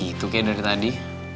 nah gitu kayak dari tadi